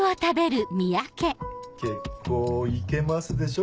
結構イケますでしょ